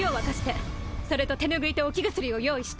それと手拭いと置き薬を用意して。